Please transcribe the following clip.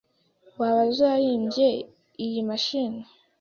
Waba uzi uwahimbye iyi mashini?